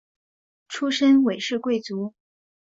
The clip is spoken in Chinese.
出身韦氏贵族。